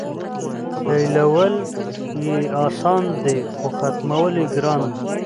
پیلول یې اسان دي خو ختمول یې ګران.